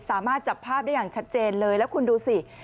สามารถจับภาพได้อย่างชัดเจนเลยแล้วคุณดูสิ